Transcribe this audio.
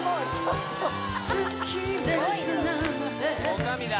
女将だ